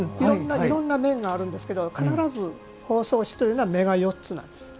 いろんな面があるんですけど必ず方相氏というのは目が４つなんです。